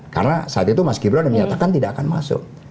karena saat itu mas gibran menyatakan tidak akan masuk